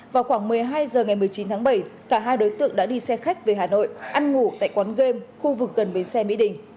vào khoảng một mươi hai h ngày một mươi chín tháng bảy cả hai đối tượng đã đi xe khách về hà nội ăn ngủ tại quán game khu vực gần bến xe mỹ đình